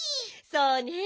そうねえ。